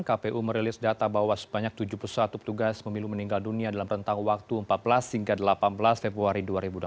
kpu merilis data bahwa sebanyak tujuh puluh satu petugas pemilu meninggal dunia dalam rentang waktu empat belas hingga delapan belas februari dua ribu delapan belas